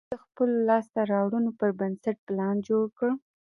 هغه د خپلو لاسته رواړنو پر بنسټ پلان جوړ کړ